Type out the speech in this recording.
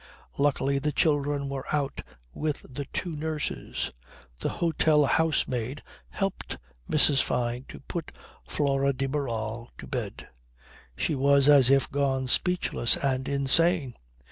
Luckily the children were out with the two nurses. The hotel housemaid helped Mrs. Fyne to put Flora de Barral to bed. She was as if gone speechless and insane.